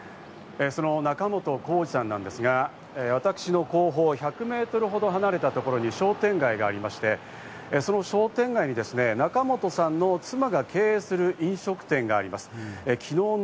その仲本工事さんなんですが、私の後方１００メートルほど離れた所に商店街がありまして、その商店街にですね仲本さんの妻が経営する飲食店があります。